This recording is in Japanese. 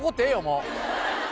もう。